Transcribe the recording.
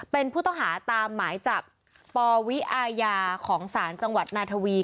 เป็นผู้ต้องหาตามหมายจับปวิอาญาของศาลจังหวัดนาทวี